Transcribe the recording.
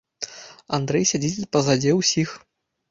Андрэй сядзіць пазадзе ўсіх.